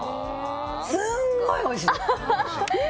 すんごいおいしい！